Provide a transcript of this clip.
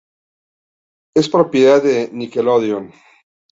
Es propiedad de Nickelodeon.